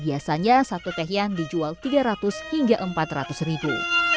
biasanya satu tehian dijual tiga ratus hingga empat ratus ribu